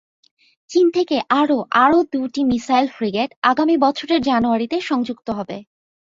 চীন থেকে আরও আরও দুটি মিসাইল ফ্রিগেট আগামী বছরের জানুয়ারিতে সংযুক্ত হবে।